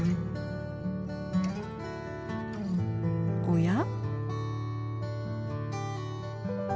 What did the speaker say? おや？